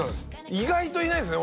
意外といないですね